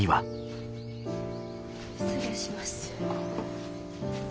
失礼します。